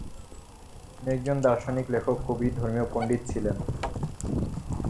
তিনি একজন দার্শনিক, লেখক, কবি, ধর্মীয় পণ্ডিত ছিলেন।